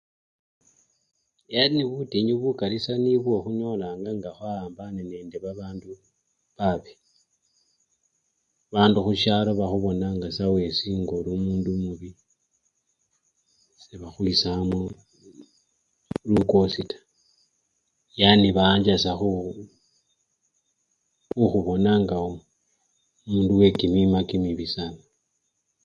Yani butinyu bukali sa-nibwo khunyolanga nga khwawambane nende babandu babii, bandu khusyalo bakhubonga sa wesi nga oli omubii sebakhwi! khwisamo lukosi taa yani banja sa khu! khu! khukhubona nga omundu wekimima kimibi sana.